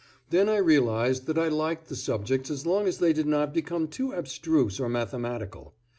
Then I realized that I liked the subjects as long as they did not become too abstruse or mathematical.